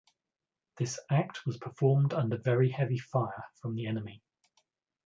This act was performed under very heavy fire from the enemy.